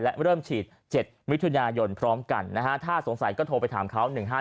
และเริ่มฉีด๗มิถุนายนพร้อมกันนะฮะถ้าสงสัยก็โทรไปถามเขา๑๕๗